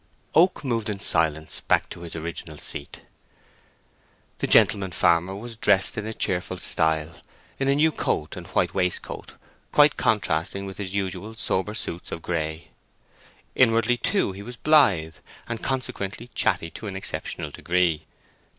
Oak moved in silence back to his original seat. The gentleman farmer was dressed in cheerful style, in a new coat and white waistcoat, quite contrasting with his usual sober suits of grey. Inwardy, too, he was blithe, and consequently chatty to an exceptional degree.